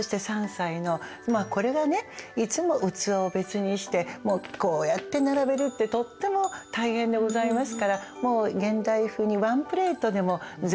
まあこれはねいつも器を別にしてもうこうやって並べるってとっても大変でございますからもう現代風にワンプレートでも全然構わないと思います。